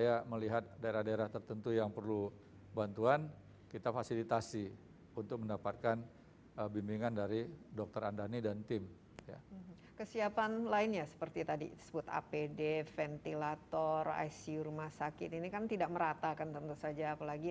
ya kalau kita lihat ada korelasinya